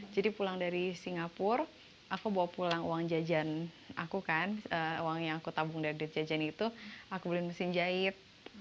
jadi pulang dari singapura aku bawa pulang uang jajan aku kan uang yang aku tabung dari jajan itu aku beliin mesin jahit